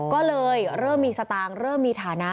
ก็เลยเริ่มมีสตางค์เริ่มมีฐานะ